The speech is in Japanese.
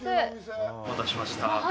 お待たせしました。